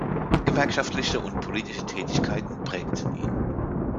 Gewerkschaftliche und politische Tätigkeiten prägten ihn.